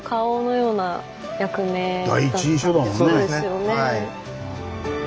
そうですね。